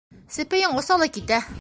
Сепейең оса ла китә.